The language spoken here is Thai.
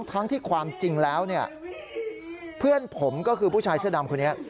ทั้งที่ความจริงแล้วเนี่ยเพื่อนผมก็คือผู้ชายเสื้อดำคนนี้